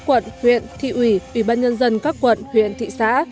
quận huyện thị ủy ủy ban nhân dân các quận huyện thị xã